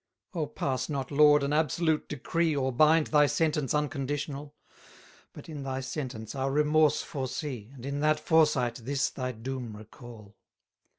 269 O pass not, Lord, an absolute decree, Or bind thy sentence unconditional! But in thy sentence our remorse foresee, And in that foresight this thy doom recall.